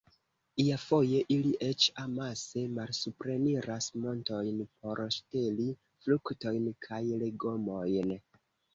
Iafoje ili eĉ amase malsupreniras montojn por ŝteli fruktojn kaj legomojn.